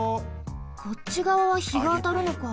こっちがわはひがあたるのか。